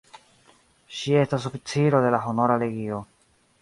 Ŝi estas oficiro de la Honora Legio.